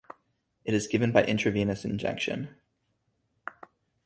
It is given by intravenous injection.